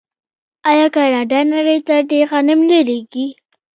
آیا کاناډا نړۍ ته ډیر غنم نه لیږي؟